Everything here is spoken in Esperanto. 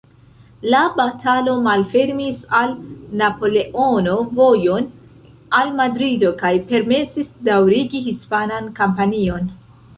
La batalo malfermis al Napoleono vojon al Madrido kaj permesis daŭrigi hispanan kampanjon.